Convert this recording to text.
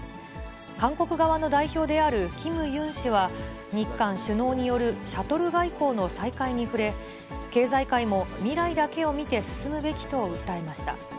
韓国側の代表であるキム・ユン氏は、日韓首脳によるシャトル外交の再開に触れ、経済界も未来だけを見て進むべきと訴えました。